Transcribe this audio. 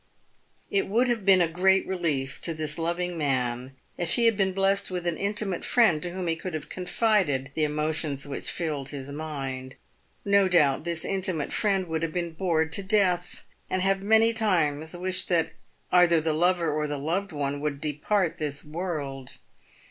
It would have been a great relief to this loving man if he had been blessed with an intimate friend to whom he could have confided the emotions which filled his mind. No doubt this intimate friend would have been bored to death, and have many times wished that either the lover or the loved one would depart this world.